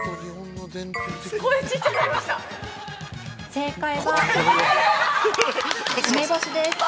◆正解は梅干しです。